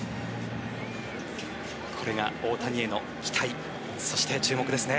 これが大谷への期待そして注目ですね。